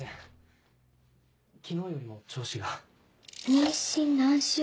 妊娠何週？